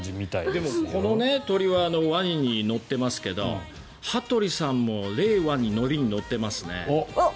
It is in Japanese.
でも、この鳥はワニに乗っていますが羽鳥さんも令和にノリに乗っていますね。